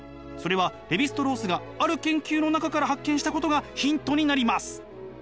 それはレヴィ＝ストロースがある研究の中から発見したことがヒントになります。